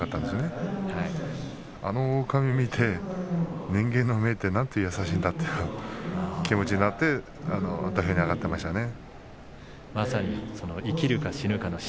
あのオオカミの目を見て人間の目って、なんて優しいんだという気持ちになって土俵に上がっていましたね。